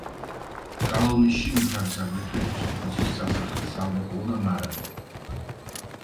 გალავნის შიგნით არის აგრეთვე ეპისკოპოსის სასახლე, სამრეკლო და მარანი.